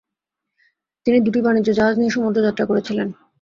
তিনি দুটি বাণিজ্য জাহাজ নিয়ে সমুদ্র যাত্রা করেছিলেন।